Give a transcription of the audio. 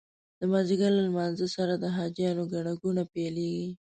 د مازدیګر له لمانځه سره د حاجیانو ګڼه ګوڼه پیلېږي.